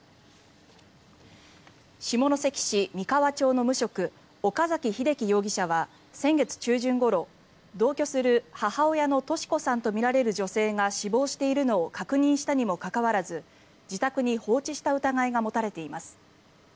下関市三河町の無職岡崎英希容疑者は先月中旬ごろ、同居する母親のトシ子さんとみられる女性が死亡しているのを確認したにもかかわらず自宅に放置した疑いが持たれています。